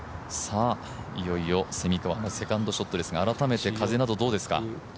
いよいよ蝉川のセカンドショットですが改めて風などどうですか？